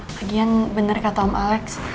lagian bener kata om alex